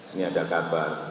ini ada kabar